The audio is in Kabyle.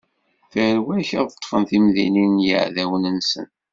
Tarwa-k ad ṭṭfen timdinin n yeɛdawen-nsen.